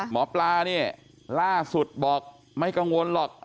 หมอปลาเนี่ยล่าสุดบอกไม่กังวลหรอก